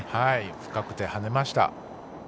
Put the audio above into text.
深くてはねました。